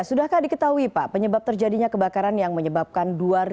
sudahkah diketahui pak penyebab terjadinya kebakaran yang menyebabkan